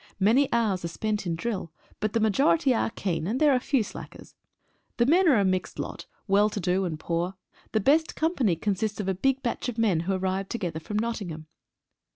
Many hours are spent in drill, but the majority are keen, and there are few slackers. The fifen are a mixed lot — well to do and poor. The best company consists of a big batch of men who arrived together from Nottingham.